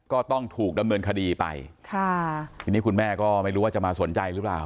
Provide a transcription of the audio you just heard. ก็ต้องถูกดำเนินคดีไปค่ะทีนี้คุณแม่ก็ไม่รู้ว่าจะมาสนใจหรือเปล่า